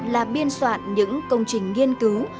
là biên soạn những công trình nghiên cứu